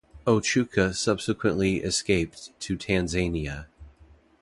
Ochuka subsequently escaped to Tanzania.